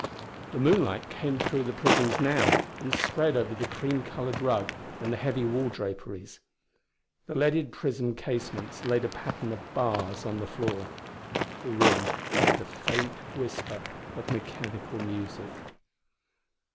The moonlight came through the prisms, now, and spread over the cream colored rug and the heavy wall draperies. The leaded prism casements laid a pattern of bars on the floor. The room held a faint whisper of mechanical music.